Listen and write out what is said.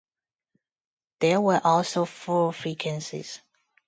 There were also four vacancies.